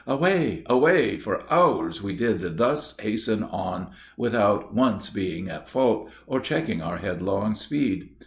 "Away away! for hours we did thus hasten on, without once being at fault, or checking our headlong speed.